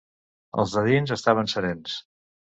Els de dins estaven serens